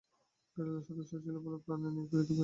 Guerrilla সদস্য ছিল বলে প্রাণ নিয়ে ফিরতে পারে নি।